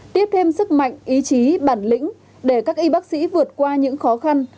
tiếp thêm sức mạnh ý chí bản lĩnh để các y bác sĩ vượt qua những khó khăn